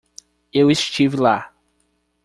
Eu estive lá